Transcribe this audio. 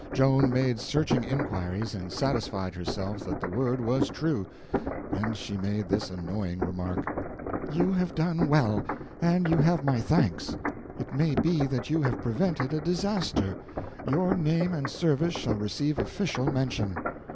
Joan made searching inquiries, and satisfied herself that the word was true, then she made this annoying remark: "You have done well, and you have my thanks. It may be that you have prevented a disaster. Your name and service shall receive official mention."